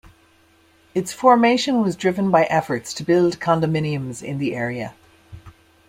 Its formation was driven by efforts to build condominiums in the area.